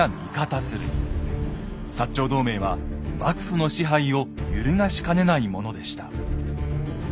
長同盟は幕府の支配を揺るがしかねないものでした。